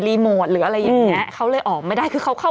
โมทหรืออะไรอย่างเงี้ยเขาเลยออกไม่ได้คือเขาเข้า